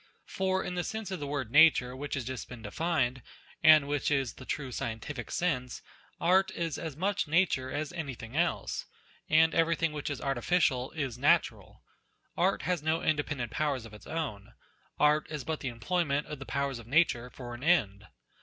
For in the sense of the word Nature which has just been defined, and which is the true scientific sense, Art is as much Nature as anything else ; and every thing which is artificial is natural Art has no independent powers of its own: Art is but the employment of the powers of Nature for an end.